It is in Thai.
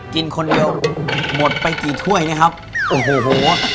กินคนเดียวหมดไปกี่ถ้วยนะครับโอ้โห